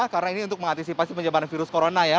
karena ini untuk mengantisipasi penyebaran virus corona ya